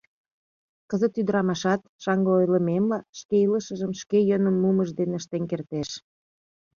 Кызыт ӱдырамашат, шаҥге ойлымемла, шке илышыжым шке йӧным мумыж дене ыштен кертеш.